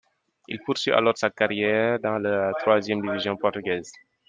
Il poursuit alors sa carrière dans la troisième division portugaise.